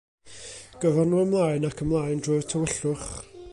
Gyrron nhw ymlaen ac ymlaen drwy'r tywyllwch.